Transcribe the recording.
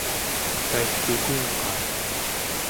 kaigtuten-qaa?